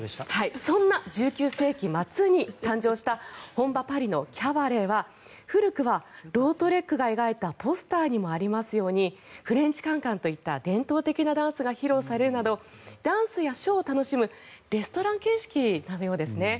そんな１９世紀末に誕生した本場パリのキャバレーは古くはロートレックが描いたポスターにもありますようにフレンチカンカンといった伝統的なダンスが披露されるなどダンスやショーを楽しむレストラン形式のようですね。